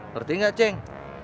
ngerti gak ceng